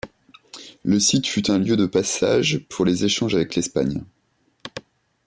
Le site fut un lieu de passage pour les échanges avec l'Espagne.